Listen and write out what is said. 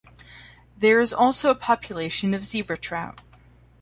There is also a population of zebra trout.